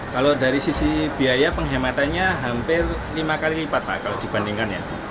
kalau dari sisi biaya penghematannya hampir lima kali lipat pak kalau dibandingkan ya